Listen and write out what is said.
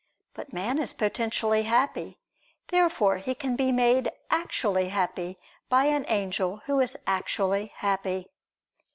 But man is potentially happy. Therefore he can be made actually happy by an angel who is actually happy.